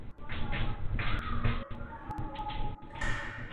قلاګاني د بابا له ميراثونو!!